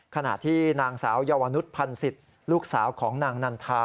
ขณะที่นางสาวเยาวนุษยพันธ์ศิษย์ลูกสาวของนางนันทา